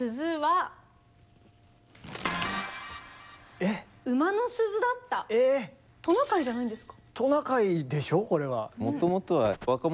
えっ⁉トナカイじゃないんですか？